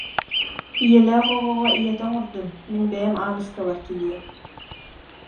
Ийэлээх оҕоҕо ийэтэ оҥордун, мин бэйэм Ааныскабар тигиэм